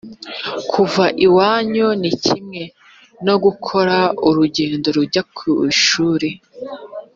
kuva iwanyu ni kimwe no gukora urugendo rujya ku ishuri